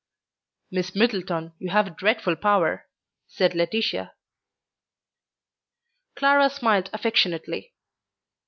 "Miss Middleton, you have a dreadful power," said Laetitia. Clara smiled affectionately.